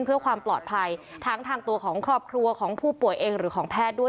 เพื่อความปลอดภัยทั้งทางตัวของครอบครัวของผู้ป่วยเองหรือของแพทย์ด้วย